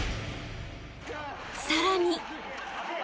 ［さらに］